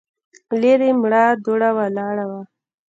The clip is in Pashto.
ليرې مړه دوړه ولاړه وه.